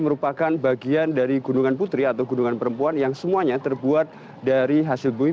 merupakan bagian dari gunungan putri atau gunungan perempuan yang semuanya terbuat dari hasil bumi